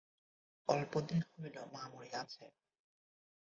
অল্পদিন হইল মা মরিয়াছে।